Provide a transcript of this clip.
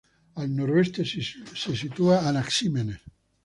Al noreste se sitúa Anaxímenes.